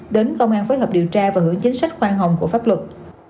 đến công an phối hợp điều tra và hưởng chính sách khoan hồng của pháp luật